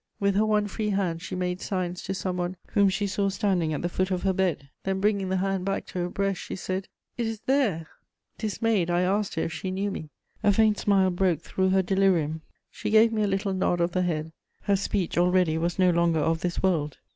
With her one free hand she made signs to some one whom she saw standing at the foot of her bed; then, bringing the hand back to her breast, she said: "It is there!" [Sidenote: Death of madame de Beaumont.] Dismayed, I asked her if she knew me: a faint smile broke through her delirium; she gave me a little nod of the head: her speech already was no longer of this world.